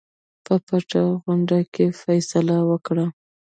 په پټه غونډه کې فیصله وکړه.